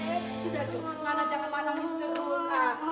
eh sudah cukup mana jangan malam mr rose